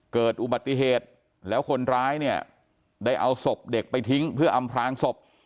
เกิดอุบัติเหตุแล้วคนร้ายเนี่ยได้เอาศพเด็กไปทิ้งเพื่ออำพลางศพ